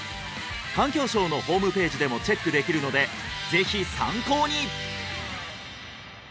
環境省のホームページでもチェックできるのでぜひ参考に！